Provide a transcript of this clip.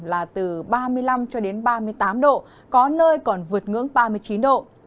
là từ ba mươi năm cho đến ba mươi tám độ có nơi còn vượt ngưỡng ba mươi chín độ